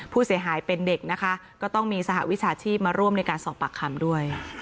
ผู้เสียหายเป็นเด็กนะคะก็ต้องมีสหวิชาชีพมาร่วมในการสอบปากคำด้วย